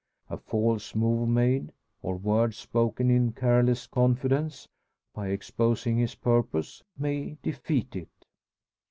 A false move made, or word spoken in careless confidence, by exposing his purpose, may defeat it.